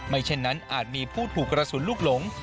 เช่นนั้นอาจมีผู้ถูกกระสุนลูกหลง